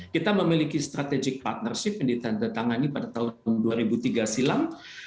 kita memiliki strategic partnership yang ditandatangani pada tahun dua ribu tiga silam